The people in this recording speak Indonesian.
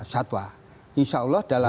satwa insya allah adalah